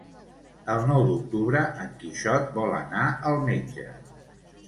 El nou d'octubre en Quixot vol anar al metge.